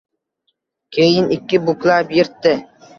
Keyin, ikki buklab yirtdi.